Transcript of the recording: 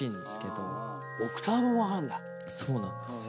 そうなんですよ。